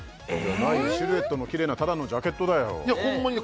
シルエットのキレイなただのジャケットだよホンマにね